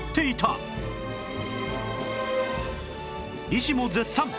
医師も絶賛！